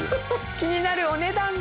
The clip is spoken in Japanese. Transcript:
気になるお値段が。